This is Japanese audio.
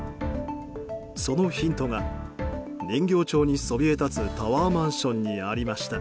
そのヒントが人形町にそびえ立つタワーマンションにありました。